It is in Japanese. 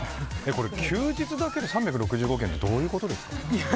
休日だけで３６５軒ってどういうことですか？